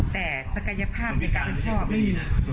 แต่ศักยภาพในการเป็นพ่อไม่มีเลย